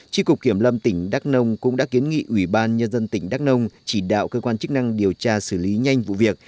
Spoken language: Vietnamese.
tri cục kiểm lâm tỉnh đắk nông cũng đã kiến nghị ủy ban nhân dân tỉnh đắk nông chỉ đạo cơ quan chức năng điều tra xử lý nhanh vụ việc